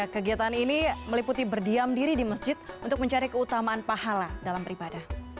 kegiatan ini meliputi berdiam diri di masjid untuk mencari keutamaan pahala dalam beribadah